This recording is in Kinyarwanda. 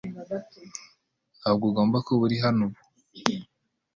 Ntabwo ugomba kuba uri hano ubu .